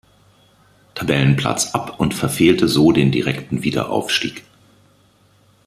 Tabellenplatz ab und verfehlte so den direkten Wiederaufstieg.